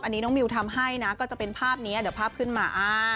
อันนี้น้องมิวทำให้นะก็จะเป็นภาพนี้เดี๋ยวภาพขึ้นมา